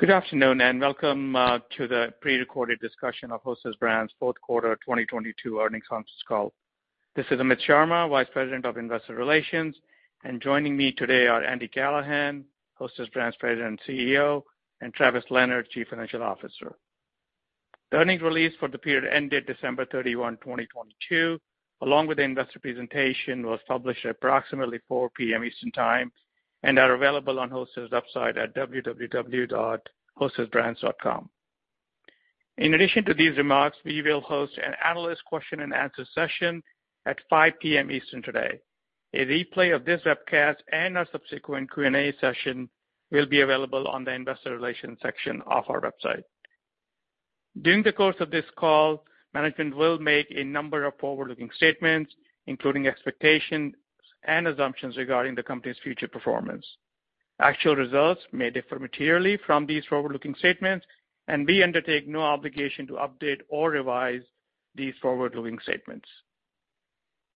Good afternoon, and welcome to the prerecorded discussion of Hostess Brands' fourth quarter 2022 earnings conference call. This is Amit Sharma, Vice President of Investor Relations. Joining me today are Andy Callahan, Hostess Brands President and CEO, and Travis Leonard, Chief Financial Officer. The earnings release for the period ended December 31, 2022, along with the investor presentation was published at approximately 4:00 P.M. Eastern Time and are available on Hostess website at www.hostessbrands.com. In addition to these remarks, we will host an analyst question and answer session at 5:00 P.M. Eastern today. A replay of this webcast and our subsequent Q&A session will be available on the investor relations section of our website. During the course of this call, management will make a number of forward-looking statements, including expectations and assumptions regarding the company's future performance. Actual results may differ materially from these forward-looking statements. We undertake no obligation to update or revise these forward-looking statements.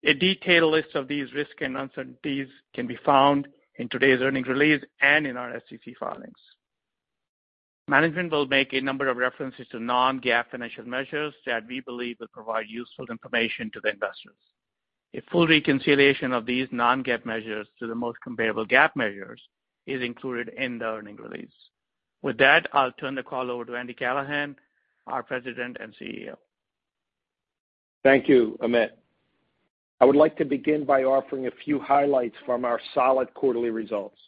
A detailed list of these risks and uncertainties can be found in today's earnings release and in our SEC filings. Management will make a number of references to non-GAAP financial measures that we believe will provide useful information to the investors. A full reconciliation of these non-GAAP measures to the most comparable GAAP measures is included in the earnings release. With that, I'll turn the call over to Andy Callahan, our President and CEO. Thank you, Amit. I would like to begin by offering a few highlights from our solid quarterly results.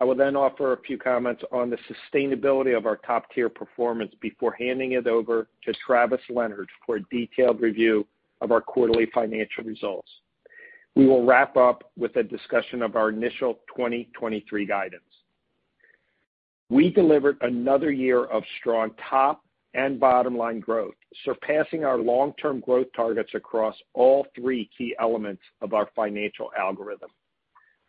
I will then offer a few comments on the sustainability of our top-tier performance before handing it over to Travis Leonard for a detailed review of our quarterly financial results. We will wrap up with a discussion of our initial 2023 guidance. We delivered another year of strong top and bottom line growth, surpassing our long-term growth targets across all three key elements of our financial algorithm.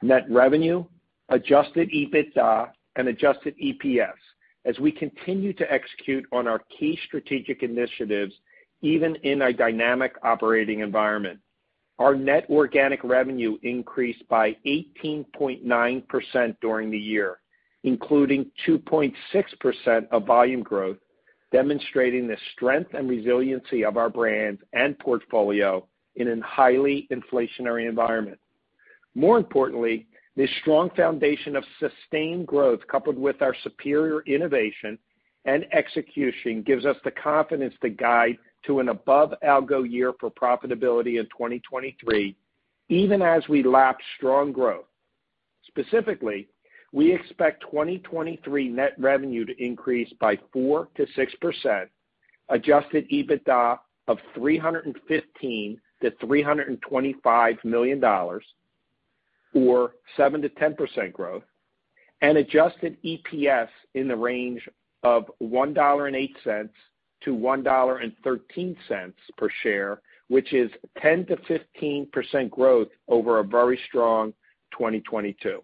Net revenue, adjusted EBITDA, and adjusted EPS as we continue to execute on our key strategic initiatives, even in an highly inflationary environment. Our net organic revenue increased by 18.9% during the year, including 2.6% of volume growth, demonstrating the strength and resiliency of our brands and portfolio in an highly inflationary environment. More importantly, this strong foundation of sustained growth, coupled with our superior innovation and execution, gives us the confidence to guide to an above algo year for profitability in 2023, even as we lap strong growth. Specifically, we expect 2023 net revenue to increase by 4%-6%, adjusted EBITDA of $315 million-$325 million or 7%-10% growth, and adjusted EPS in the range of $1.08-$1.13 per share, which is 10%-15% growth over a very strong 2022.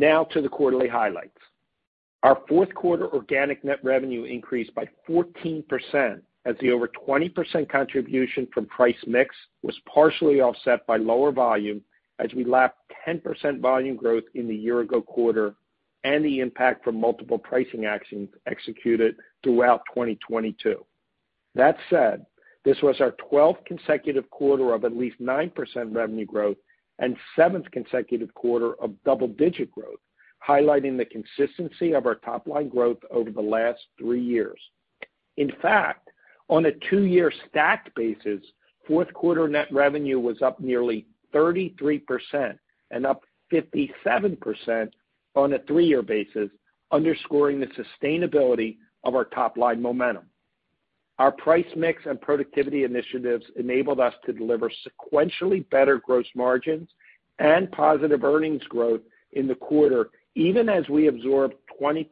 To the quarterly highlights. Our fourth quarter organic net revenue increased by 14% as the over 20% contribution from price mix was partially offset by lower volume as we lapped 10% volume growth in the year-ago quarter and the impact from multiple pricing actions executed throughout 2022. This was our 12th consecutive quarter of at least 9% revenue growth and seventh consecutive quarter of double-digit growth, highlighting the consistency of our top line growth over the last three years. In fact, on a two-year stacked basis, fourth quarter net revenue was up nearly 33% and up 57% on a three-year basis, underscoring the sustainability of our top line momentum. Our price mix and productivity initiatives enabled us to deliver sequentially better gross margins and positive earnings growth in the quarter, even as we absorbed 20%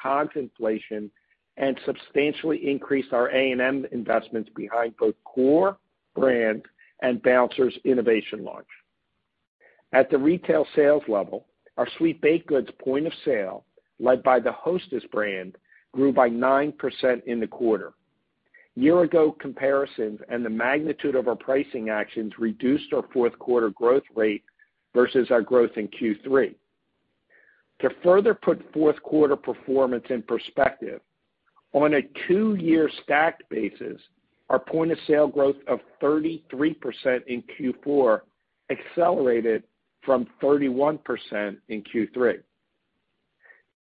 COGS inflation and substantially increased our A&M investments behind both core brand and Bouncers innovation launch. At the retail sales level, our sweet baked goods point of sale, led by the Hostess brand, grew by 9% in the quarter. Year ago comparisons and the magnitude of our pricing actions reduced our fourth quarter growth rate versus our growth in Q3. To further put fourth quarter performance in perspective, on a two-year stacked basis, our point of sale growth of 33% in Q4 accelerated from 31% in Q3.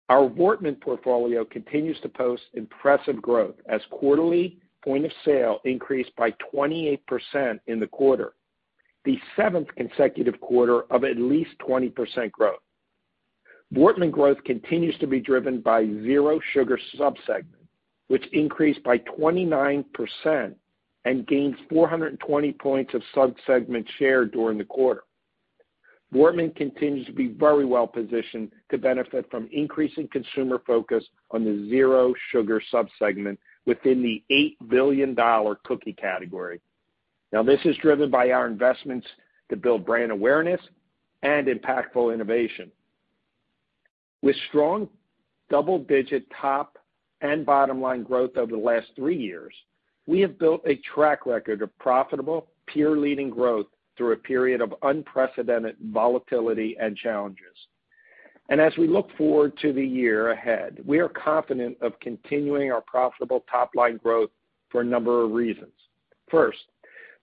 Our Voortman portfolio continues to post impressive growth as quarterly point of sale increased by 28% in the quarter, the seventh consecutive quarter of at least 20% growth. Voortman growth continues to be driven by Zero Sugar sub-segment, which increased by 29% and gained 420 points of sub-segment share during the quarter. Voortman continues to be very well positioned to benefit from increasing consumer focus on the Zero Sugar sub-segment within the $8 billion cookie category. This is driven by our investments to build brand awareness and impactful innovation. With strong double-digit top and bottom line growth over the last three years. We have built a track record of profitable peer-leading growth through a period of unprecedented volatility and challenges. As we look forward to the year ahead, we are confident of continuing our profitable top-line growth for a number of reasons. First,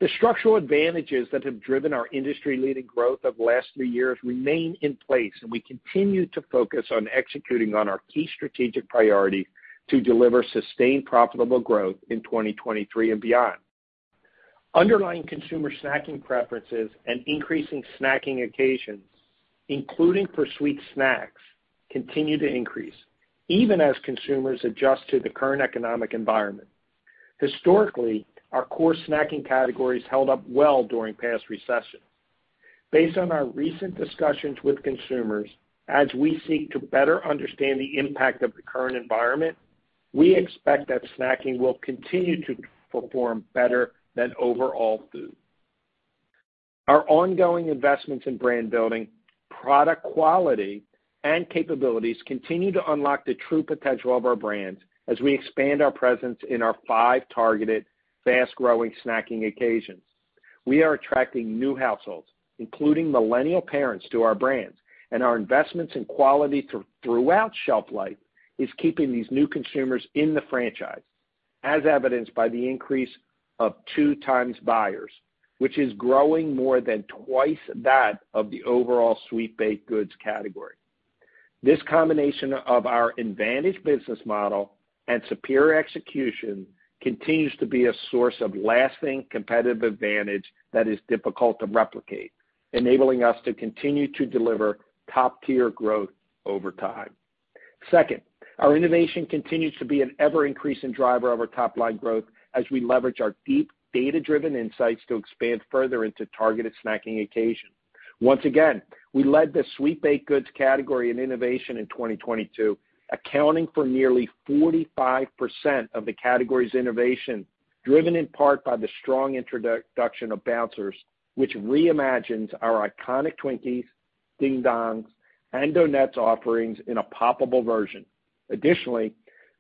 the structural advantages that have driven our industry-leading growth of the last three years remain in place, and we continue to focus on executing on our key strategic priority to deliver sustained profitable growth in 2023 and beyond. Underlying consumer snacking preferences and increasing snacking occasions, including for sweet snacks, continue to increase even as consumers adjust to the current economic environment. Historically, our core snacking categories held up well during past recession. Based on our recent discussions with consumers, as we seek to better understand the impact of the current environment, we expect that snacking will continue to perform better than overall food. Our ongoing investments in brand building, product quality, and capabilities continue to unlock the true potential of our brands as we expand our presence in our five targeted fast-growing snacking occasions. We are attracting new households, including millennial parents, to our brands, and our investments in quality throughout shelf life is keeping these new consumers in the franchise, as evidenced by the increase of 2x buyers, which is growing more than twice that of the overall sweet baked goods category. This combination of our advantage business model and superior execution continues to be a source of lasting competitive advantage that is difficult to replicate, enabling us to continue to deliver top-tier growth over time. Second, our innovation continues to be an ever-increasing driver of our top-line growth as we leverage our deep data-driven insights to expand further into targeted snacking occasions. Once again, we led the sweet baked goods category in innovation in 2022, accounting for nearly 45% of the category's innovation, driven in part by the strong introduction of Bouncers, which reimagines our iconic Twinkies, Ding Dongs, and Donettes offerings in a poppable version.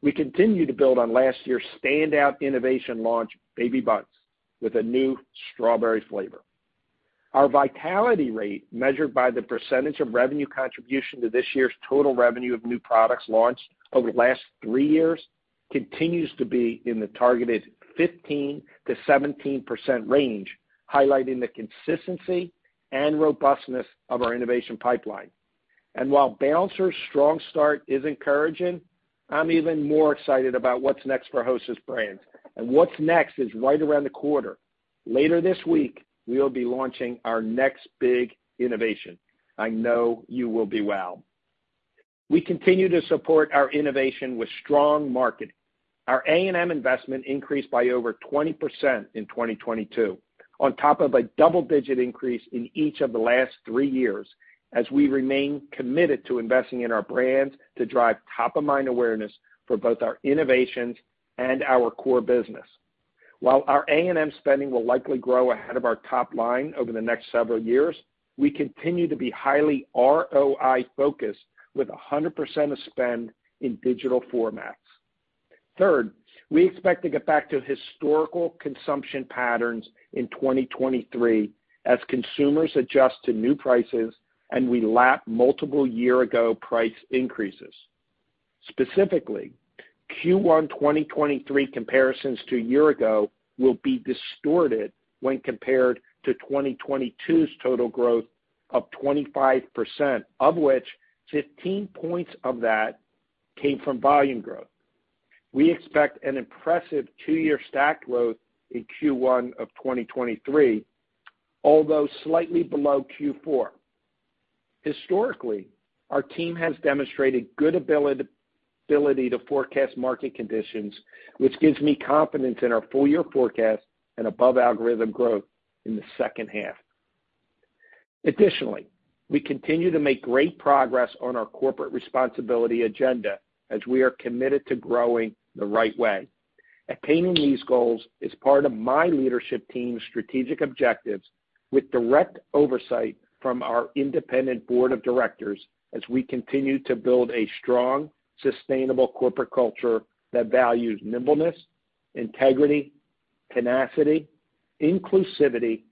We continue to build on last year's standout innovation launch, Baby Bundts, with a new strawberry flavor. Our vitality rate, measured by the percentage of revenue contribution to this year's total revenue of new products launched over the last three years, continues to be in the targeted 15%-17% range, highlighting the consistency and robustness of our innovation pipeline. While Bouncers strong start is encouraging, I'm even more excited about what's next for Hostess Brands. What's next is right around the corner. Later this week, we'll be launching our next big innovation. I know you will be wowed. We continue to support our innovation with strong marketing. Our A&M investment increased by over 20% in 2022, on top of a double-digit increase in each of the last three years as we remain committed to investing in our brands to drive top-of-mind awareness for both our innovations and our core business. While our A&M spending will likely grow ahead of our top line over the next several years, we continue to be highly ROI-focused with 100% of spend in digital formats. Third, we expect to get back to historical consumption patterns in 2023 as consumers adjust to new prices and we lap multiple year-ago price increases. Specifically, Q1 2023 comparisons to year-ago will be distorted when compared to 2022's total growth of 25%, of which 15 points of that came from volume growth. We expect an impressive two-year stacked growth in Q1 of 2023, although slightly below Q4. Historically, our team has demonstrated good ability to forecast market conditions, which gives me confidence in our full year forecast and above algorithm growth in the second half. We continue to make great progress on our corporate responsibility agenda as we are committed to growing the right way. Attaining these goals is part of my leadership team's strategic objectives with direct oversight from our independent board of directors as we continue to build a strong, sustainable corporate culture that values nimbleness, integrity, tenacity, inclusivity,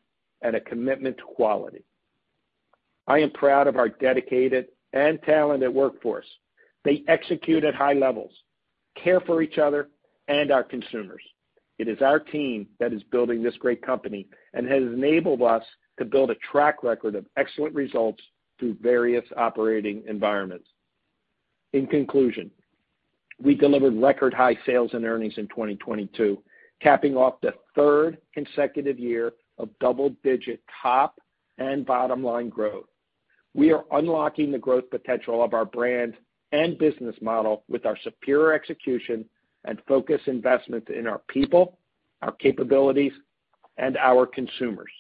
and a commitment to quality. I am proud of our dedicated and talented workforce. They execute at high levels, care for each other and our consumers. It is our team that is building this great company and has enabled us to build a track record of excellent results through various operating environments. In conclusion, we delivered record high sales and earnings in 2022, capping off the third consecutive year of double-digit top and bottom line growth. We are unlocking the growth potential of our brand and business model with our superior execution and focused investment in our people, our capabilities, and our consumers.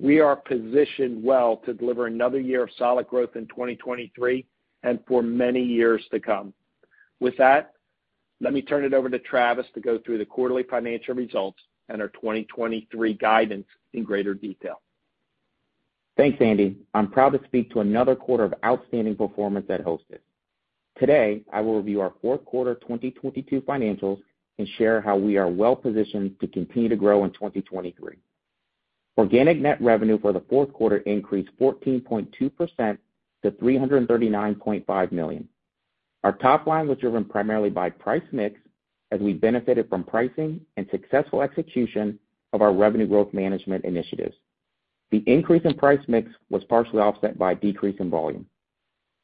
We are positioned well to deliver another year of solid growth in 2023 and for many years to come. With that, let me turn it over to Travis to go through the quarterly financial results and our 2023 guidance in greater detail. Thanks, Andy. I'm proud to speak to another quarter of outstanding performance at Hostess. Today, I will review our fourth quarter 2022 financials and share how we are well-positioned to continue to grow in 2023. Organic net revenue for the fourth quarter increased 14.2% to $339.5 million. Our top line was driven primarily by price mix, as we benefited from pricing and successful execution of our revenue growth management initiatives. The increase in price mix was partially offset by a decrease in volume.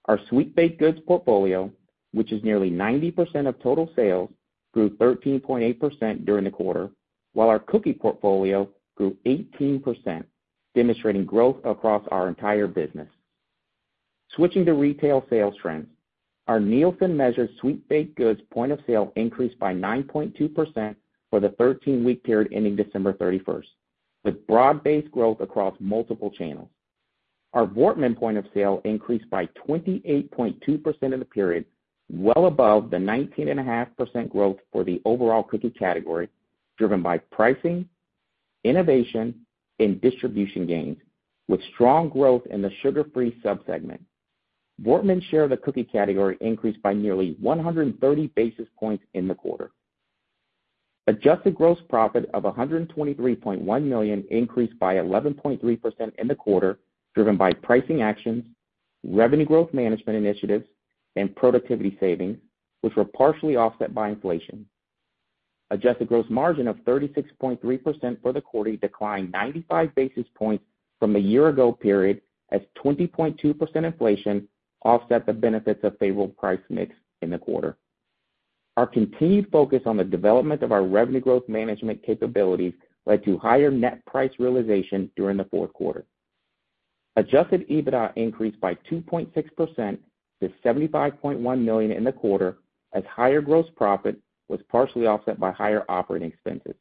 Our sweet baked goods portfolio, which is nearly 90% of total sales, grew 13.8% during the quarter, while our cookie portfolio grew 18%, demonstrating growth across our entire business. Switching to retail sales trends. Our Nielsen-measured sweet baked goods point of sale increased by 9.2% for the 13-week period ending December 31st, with broad-based growth across multiple channels. Our Voortman point of sale increased by 28.2% in the period, well above the 19.5% growth for the overall cookie category, driven by pricing, innovation, and distribution gains, with strong growth in the sugar-free sub-segment. Voortman's share of the cookie category increased by nearly 130 basis points in the quarter. Adjusted gross profit of $123.1 million increased by 11.3% in the quarter, driven by pricing actions, revenue growth management initiatives, and productivity savings, which were partially offset by inflation. Adjusted gross margin of 36.3% for the quarter declined 95 basis points from the year ago period as 20.2% inflation offset the benefits of favorable price mix in the quarter. Our continued focus on the development of our revenue growth management capabilities led to higher net price realization during the fourth quarter. Adjusted EBITDA increased by 2.6% to $75.1 million in the quarter, as higher gross profit was partially offset by higher operating expenses.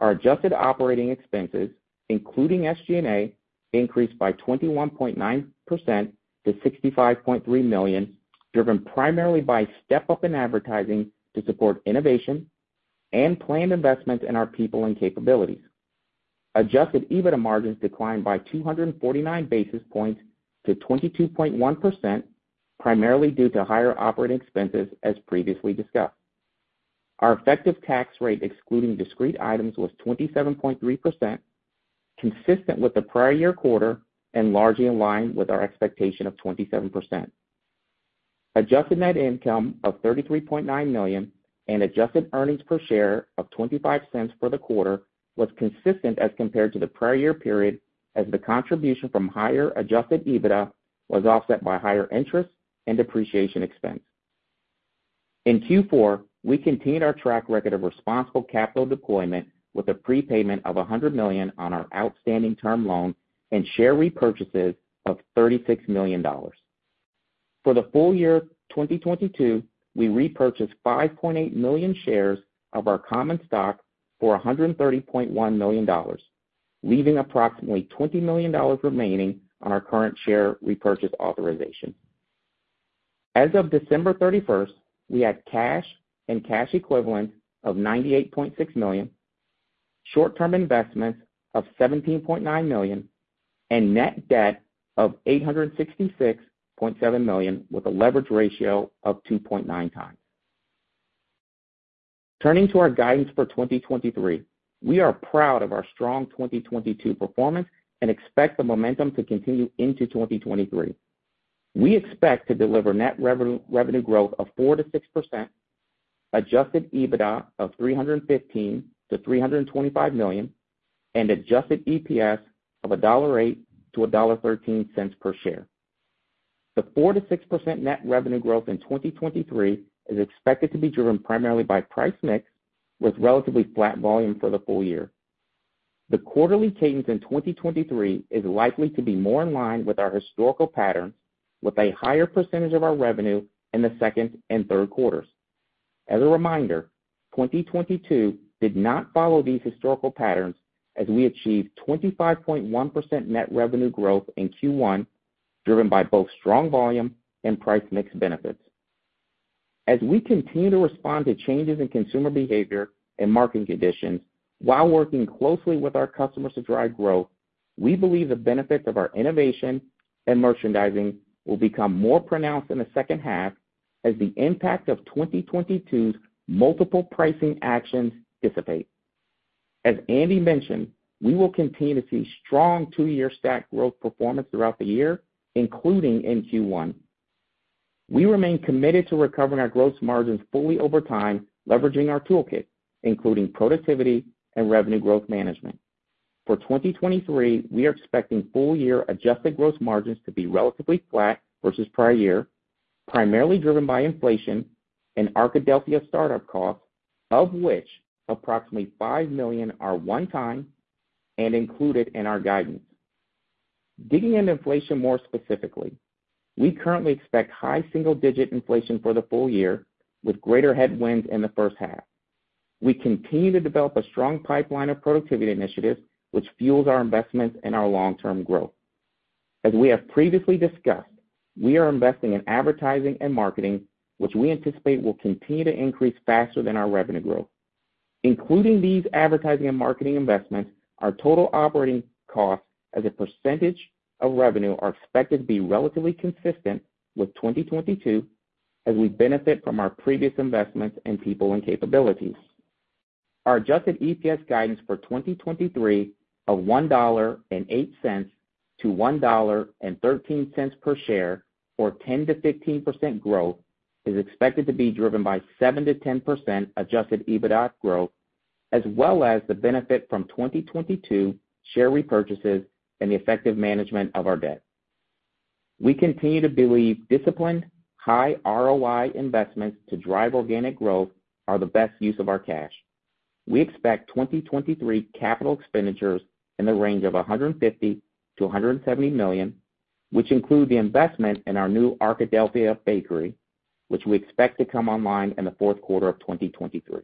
Our adjusted operating expenses, including SG&A, increased by 21.9% to $65.3 million, driven primarily by step-up in advertising to support innovation and planned investments in our people and capabilities. Adjusted EBITDA margins declined by 249 basis points to 22.1%, primarily due to higher operating expenses as previously discussed. Our effective tax rate excluding discrete items was 27.3%, consistent with the prior year quarter and largely in line with our expectation of 27%. Adjusted Net Income of $33.9 million and Adjusted Earnings Per Share of $0.25 for the quarter was consistent as compared to the prior year period as the contribution from higher adjusted EBITDA was offset by higher interest and depreciation expense. In Q4, we continued our track record of responsible capital deployment with a prepayment of $100 million on our outstanding term loan and share repurchases of $36 million. For the full year 2022, we repurchased 5.8 million shares of our common stock for $130.1 million, leaving approximately $20 million remaining on our current share repurchase authorization. As of December 31st, we had cash and cash equivalents of $98.6 million, short-term investments of $17.9 million, and net debt of $866.7 million, with a leverage ratio of 2.9x. Turning to our guidance for 2023. We are proud of our strong 2022 performance and expect the momentum to continue into 2023. We expect to deliver net revenue growth of 4%-6%, adjusted EBITDA of $315 million-$325 million, and adjusted EPS of $1.08-$1.13 per share. The 4%-6% net revenue growth in 2023 is expected to be driven primarily by price mix with relatively flat volume for the full year. The quarterly cadence in 2023 is likely to be more in line with our historical pattern with a higher percentage of our revenue in the second and third quarters. As a reminder, 2022 did not follow these historical patterns as we achieved 25.1% net revenue growth in Q1, driven by both strong volume and price mix benefits. As we continue to respond to changes in consumer behavior and market conditions while working closely with our customers to drive growth, we believe the benefits of our innovation and merchandising will become more pronounced in the second half as the impact of 2022's multiple pricing actions dissipate. As Andy mentioned, we will continue to see strong two-year stack growth performance throughout the year, including in Q1. We remain committed to recovering our gross margins fully over time, leveraging our toolkit, including productivity and revenue growth management. For 2023, we are expecting full year adjusted gross margins to be relatively flat versus prior year, primarily driven by inflation and Arkadelphia startup costs, of which approximately $5 million are one-time and included in our guidance. Digging into inflation more specifically, we currently expect high single-digit inflation for the full year with greater headwinds in the first half. We continue to develop a strong pipeline of productivity initiatives which fuels our investments and our long-term growth. As we have previously discussed, we are investing in advertising and marketing, which we anticipate will continue to increase faster than our revenue growth. Including these advertising and marketing investments, our total operating costs as a percentage of revenue are expected to be relatively consistent with 2022 as we benefit from our previous investments in people and capabilities. Our adjusted EPS guidance for 2023 of $1.08 to $1.13 per share, or 10%-15% growth, is expected to be driven by 7%-10% adjusted EBITDA growth, as well as the benefit from 2022 share repurchases and the effective management of our debt. We continue to believe disciplined, high ROI investments to drive organic growth are the best use of our cash. We expect 2023 capital expenditures in the range of $150 million-$170 million, which include the investment in our new Arkadelphia bakery, which we expect to come online in the fourth quarter of 2023.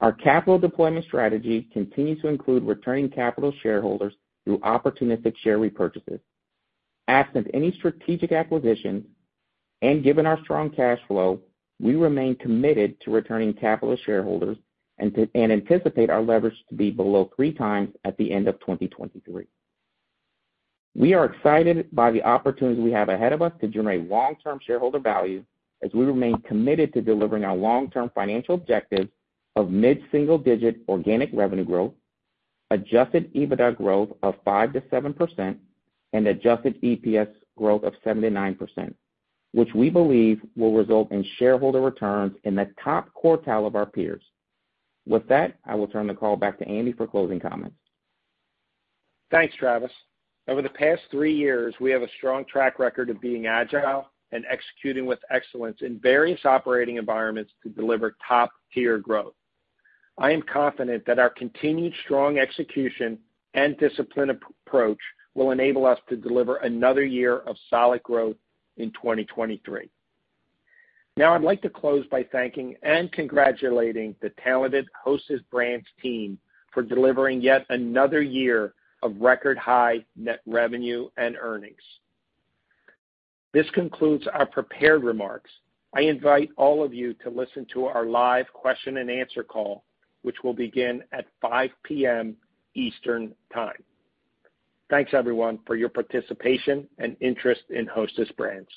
Our capital deployment strategy continues to include returning capital to shareholders through opportunistic share repurchases. Absent any strategic acquisition and given our strong cash flow, we remain committed to returning capital to shareholders and anticipate our leverage to be below 3x at the end of 2023. We are excited by the opportunities we have ahead of us to generate long-term shareholder value as we remain committed to delivering our long-term financial objectives of mid-single digit organic revenue growth, adjusted EBITDA growth of 5%-7%, and adjusted EPS growth of 7%-9%, which we believe will result in shareholder returns in the top quartile of our peers. With that, I will turn the call back to Andy for closing comments. Thanks, Travis. Over the past three years, we have a strong track record of being agile and executing with excellence in various operating environments to deliver top-tier growth. I am confident that our continued strong execution and disciplined approach will enable us to deliver another year of solid growth in 2023. I'd like to close by thanking and congratulating the talented Hostess Brands team for delivering yet another year of record high net revenue and earnings. This concludes our prepared remarks. I invite all of you to listen to our live question and answer call, which will begin at 5:00 P.M. Eastern Time. Thanks everyone for your participation and interest in Hostess Brands.